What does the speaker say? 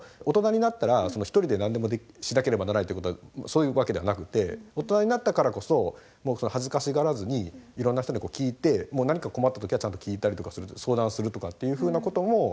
大人になったら一人で何でもしなければならないってことはそういうわけではなくて大人になったからこそ恥ずかしがらずにいろんな人に聞いて何か困った時はちゃんと聞いたりとか相談するとかっていうふうなことも。